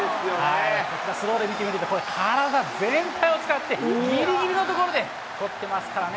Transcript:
スローで見てみると、体全体を使って、ぎりぎりのところで捕ってますからね。